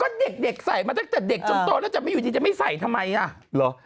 ก็เด็กใส่มาตั้งแต่เด็กจนโตแล้วอยู่ที่จะไม่ใส่ทำไมล่ะ